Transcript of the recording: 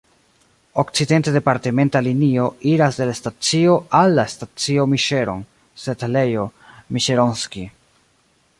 Okcidente departementa linio iras de la stacio al la stacio Miŝeron (setlejo Miŝeronski).